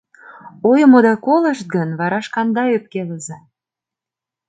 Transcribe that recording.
Ойым огыда колышт гын, вара шканда ӧпкелыза!